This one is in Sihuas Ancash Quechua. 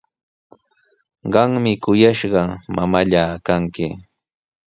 Qami kuyashqa mamallaa kanki.